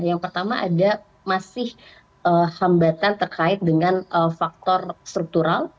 yang pertama ada masih hambatan terkait dengan faktor struktural